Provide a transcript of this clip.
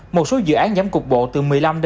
một số dự án giảm cục bộ từ một mươi năm hai mươi